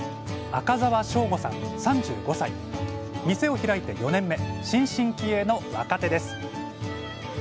店を開いて４年目新進気鋭の若手です